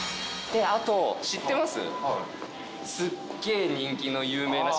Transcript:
あと知ってます？